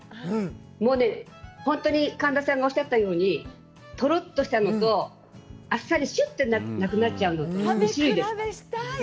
もうね、本当に神田さんがおっしゃったようにとろっとしたのと、あっさりシュッとなくなっちゃうのと。